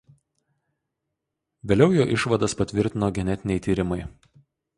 Vėliau jo išvadas patvirtino genetiniai tyrimai.